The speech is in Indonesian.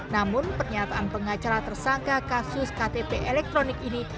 namun pernyataan pengacara tersangka kasus ktp elektronik ini